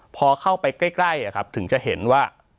พอเข้าไปใกล้ถึงจะเห็นว่า